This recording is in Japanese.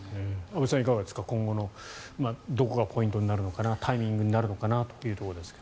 安部さん、いかがですか今後どこがポイントになるのかなタイミングになるのかなというところですが。